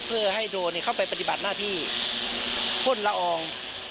เพื่อให้โดรนเข้าไปปฏิบัติหน้าที่พ่นละออง